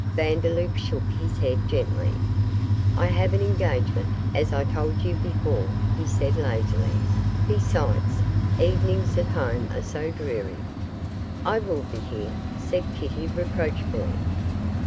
Vandeloup shook his head gently. 'I have an engagement, as I told you before,' he said, lazily; 'besides, evenings at home are so dreary.' 'I will be here,' said Kitty, reproachfully.